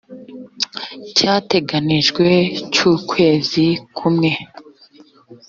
cyateganijwe cy ukwezi kumwe